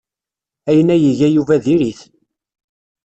Ayen ay iga Yuba diri-t.